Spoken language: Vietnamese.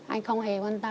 anh không hề quan tâm